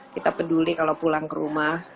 kita peduli kalau pulang ke rumah